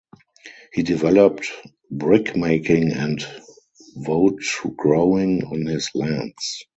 He developed brickmaking and woad growing on his lands.